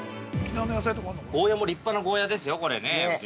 ◆ゴーヤも立派なゴーヤですよ、これね夫人。